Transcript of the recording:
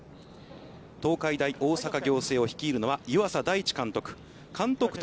東海大大阪仰星を率いるのは湯浅大智監督。